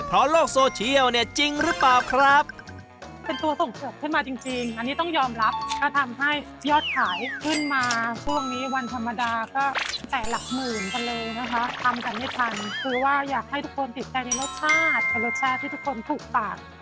เพราะโลกโซเชียลเนี่ยจริงหรือเปล่าครับ